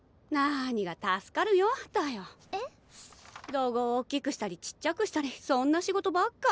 ロゴをおっきくしたりちっちゃくしたりそんな仕事ばっか。